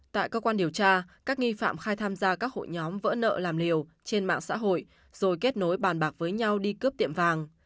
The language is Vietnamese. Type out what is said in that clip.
tại cơ quan điều tra các nghi phạm khai tham gia các hội nhóm vỡ nợ làm liều trên mạng xã hội rồi kết nối bàn bạc với nhau đi cướp tiệm vàng